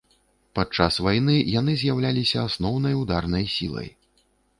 Падчас вайны яны з'яўляліся асноўнай ударнай сілай.